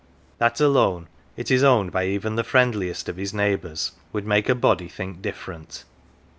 That alone, it is owned by even the friendliest of his neighbours, would make a body think different.